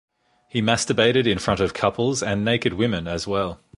He masturbated in front of couples and naked women as well.